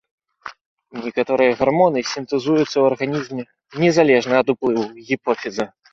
Некаторыя гармоны сінтэзуюцца ў арганізме незалежна ад уплыву гіпофіза.